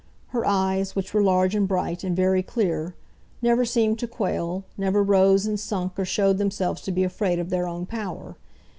Her eyes, which were large and bright, and very clear, never seemed to quail, never rose and sunk or showed themselves to be afraid of their own power.